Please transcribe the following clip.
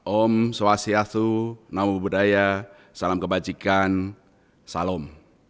om swastiastu namo buddhaya salam kebajikan salam